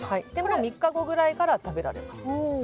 ３日後ぐらいから食べられます。